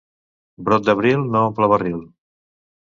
Brot d'abril no omple barril.